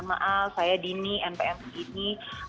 maaf saya dini npm segini